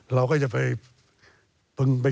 เราก็จะไป